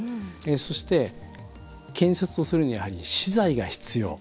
そして、建設をするにはやはり資材が必要。